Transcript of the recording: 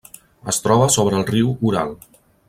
Es troba sobre el riu Ural.